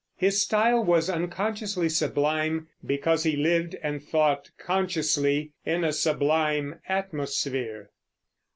His style was unconsciously sublime because he lived and thought consciously in a sublime atmosphere.